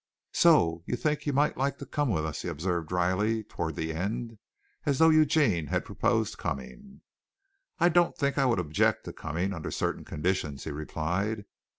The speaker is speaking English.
"So you think you might like to come with us," he observed drily toward the end, as though Eugene had proposed coming. "I don't think I would object to coming under certain conditions," he replied.